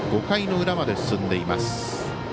５回の裏まで進んでいます。